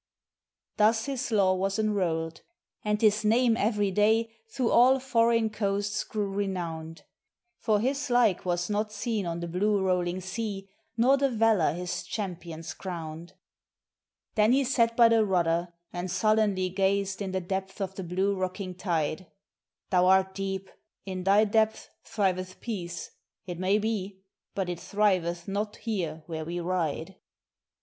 Thus his law was enrolled, and his name, every day, through all foreign coasts grew renowned; For his like was not seen on the blue rolling sea, nor the valor his champions crowned. Then he sat by the rudder and sullenly gazed in the depths of the blue rocking tide; "Thou art deep; in thy depths thriveth peace, it may be, but it thriveth not here where we ride.